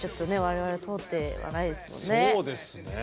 そうですね。